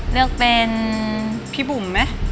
เลือกเป็นพี่บุ๋มไหม